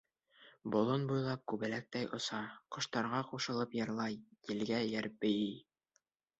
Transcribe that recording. Болон буйлап күбәләктәй оса, ҡоштарға ҡушылып йырлай, елгә эйәреп бейей.